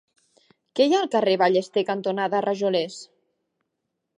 Què hi ha al carrer Ballester cantonada Rajolers?